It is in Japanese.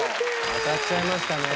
当たっちゃいました。